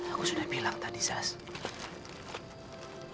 aku sudah bilang tadi sas